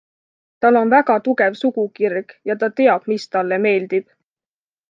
Tal on väga tugev sugukirg ja ta teab, mis talle meeldib.